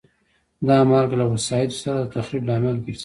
دا مالګه له وسایطو سره د تخریب لامل ګرځي.